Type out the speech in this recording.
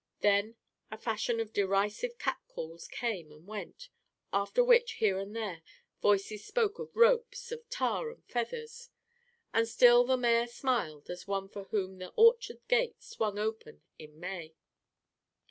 Then a fashion of derisive cat calls came and went. After which, here and there, voices spoke of ropes, of tar and feathers. And still the mayor smiled as one for whom the orchard gate swung open in May.